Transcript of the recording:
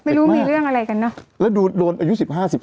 ไม่รู้มีเรื่องอะไรกันเนอะแล้วดูโดนอายุสิบห้าสิบ